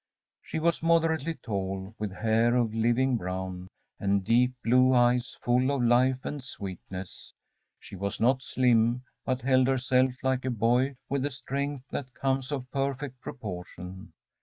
She was moderately tall, with hair of living brown, and deep blue eyes full of life and sweetness. She was not slim, but held herself like a boy with the strength that comes of perfect proportion.